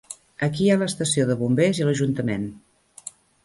Aquí hi ha l'estació de bombers i l'ajuntament.